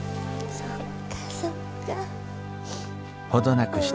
そっかそっか。